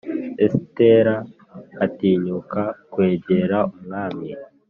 esitera atinyuka kwegera umwami